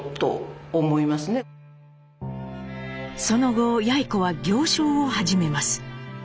その後やい子は行商を始めます。